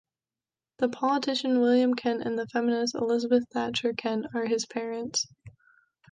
The politician William Kent and the feminist Elizabeth Thacher Kent are his parents.